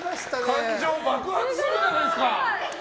感情爆発してるじゃないですか。